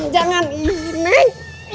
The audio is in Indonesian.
jangan ini neng